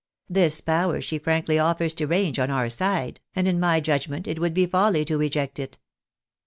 This power she frankly offers to range on oiu: side, and in my judgment it would be folly to reject it.